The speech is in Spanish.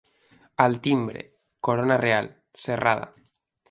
Al timbre, corona real, cerrada.